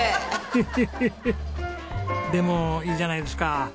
でもいいじゃないですか。